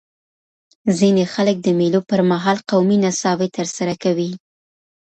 ځيني خلک د مېلو پر مهال قومي نڅاوي ترسره کوي.